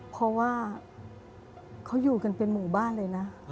เพราะว่าเขาอยู่กันเป็นหมู่บ้านเลยนะ